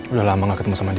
udah lama gak ketemu sama dia